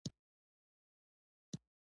انګور د افغانستان د سیلګرۍ د صنعت برخه ده.